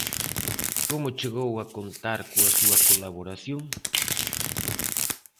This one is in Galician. Como chegou a contar coa súa colaboración?